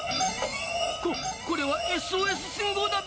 こっこれはＳＯＳ信号だべ！